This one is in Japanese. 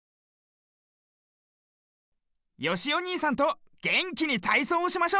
よしおにいさんとげんきにたいそうをしましょう！